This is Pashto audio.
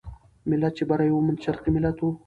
ملت چې بری وموند، شرقي ملت وو.